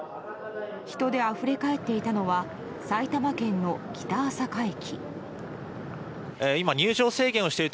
人であふれ返っていたのは埼玉県の北朝霞駅。